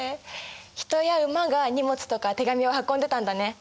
人や馬が荷物とか手紙を運んでたんだね。